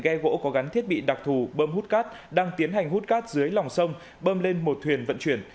ghe gỗ có gắn thiết bị đặc thù bơm hút cát đang tiến hành hút cát dưới lòng sông bơm lên một thuyền vận chuyển